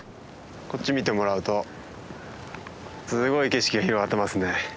こっち見てもらうとすごい景色が広がってますね。